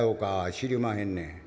知りまへんねん。